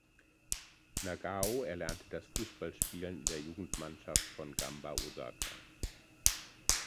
Nagao erlernte das Fußballspielen in der Jugendmannschaft von Gamba Osaka.